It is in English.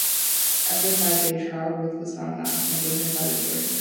After a five-day trial, Routh was found "not negligent" by the jury.